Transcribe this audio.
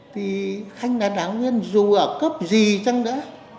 thì anh là đảng viên dù ở cấp gì chăng nữa